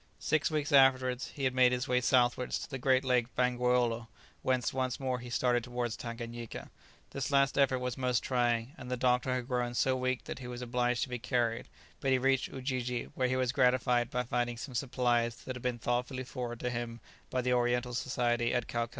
Six weeks afterwards he had made his way southwards to the great lake Bangweolo, whence once more he started towards Tanganyika. This last effort was most trying, and the doctor had grown so weak that he was obliged to be carried, but he reached Ujiji, where he was gratified by finding some supplies that had been thoughtfully forwarded to him by the Oriental Society at Calcutta.